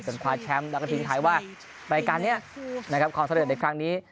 ส่วนขวาแชมป์และกระทิงไทยว่ารายการนี้ของสำเร็จในครั้งนี้